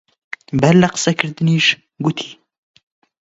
بەر لە قسە کردنیش گوتی: